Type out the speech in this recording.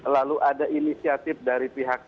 lalu ada inisiatif dari pihak